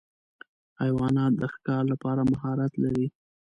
حیوانات د ښکار لپاره مهارت لري.